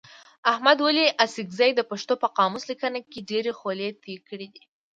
احمد ولي اڅکزي د پښتو په قاموس لیکنه کي ډېري خولې توی کړي دي.